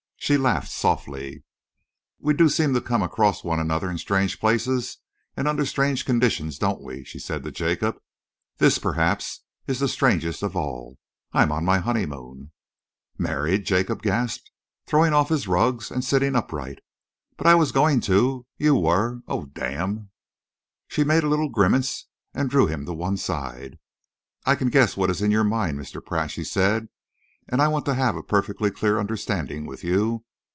She laughed softly. "We do seem to come across one another in strange places and under strange conditions, don't we?" she said to Jacob. "This, perhaps, is the strangest of all. I am on my honeymoon." "Married?" Jacob gasped, throwing off his rugs and sitting upright. "But I was going to you were oh, damn!" She made a little grimace and drew him to one side. "I can guess what is in your mind, Mr. Pratt," she said, "and I want to have a perfectly clear understanding with you.